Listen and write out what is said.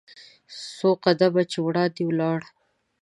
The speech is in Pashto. څو قدمه چې وړاندې ولاړ .